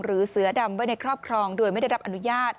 เสือดำไว้ในครอบครองโดยไม่ได้รับอนุญาต